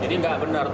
jadi nggak benar